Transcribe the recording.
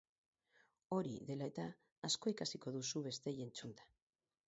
Hori dela eta, asko ikasiko duzu besteei entzunda.